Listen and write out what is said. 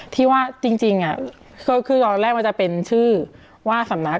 ที่ว่าจริงคือตอนแรกมันจะเป็นชื่อว่าสำนัก